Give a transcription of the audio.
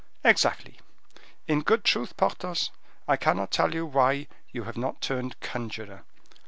'" "Exactly. In good truth, Porthos, I cannot tell why you have not turned conjuror.